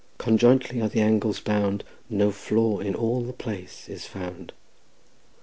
Conjointly are the angles bound— No flaw in all the place is found.